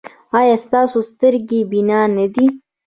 ایا ستاسو سترګې بینا نه دي؟